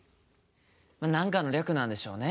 何かの略なんでしょうね。